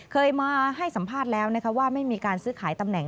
เคยมาให้สัมภาษณ์แล้วนะคะว่าไม่มีการซื้อขายตำแหน